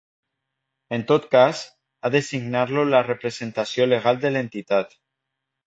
En tot cas, ha de signar-lo la representació legal de l'entitat.